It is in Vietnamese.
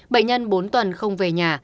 bệnh nhân bốn tuần không về nhà